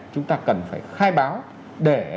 chúng ta cần phải khai báo để